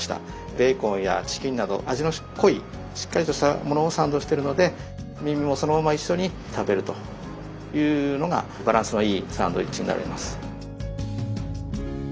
ベーコンやチキンなど味の濃いしっかりとしたものをサンドしてるのでみみもそのまま一緒に食べるというのがバランスのいいサンドイッチになります。